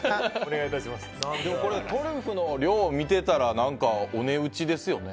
でもこれトリュフの量見てたらお値打ちですよね。